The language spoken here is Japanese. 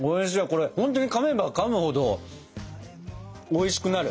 ほんとにかめばかむほどおいしくなる。